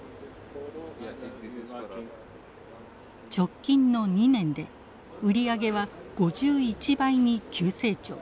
直近の２年で売り上げは５１倍に急成長。